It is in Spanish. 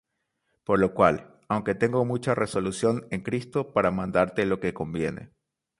Por lo cual, aunque tengo mucha resolución en Cristo para mandarte lo que conviene,